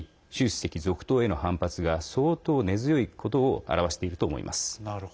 主席続投への反発が相当根強いことを表していると思います。